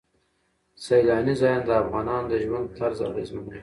سیلاني ځایونه د افغانانو د ژوند طرز اغېزمنوي.